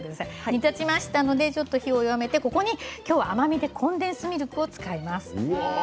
煮立ったら火を弱めてきょうは甘みでコンデンスミルクを使います。